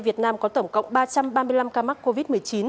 việt nam có tổng cộng ba trăm ba mươi năm ca mắc covid một mươi chín